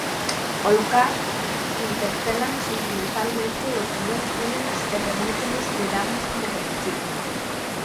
O local interpélanos sentimentalmente e o común únenos e permítenos coidarnos como colectivo.